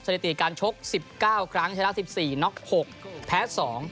สถิติการชก๑๙ครั้งชนะ๑๔น็อก๖แพ้๒